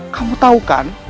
kamu tahu kan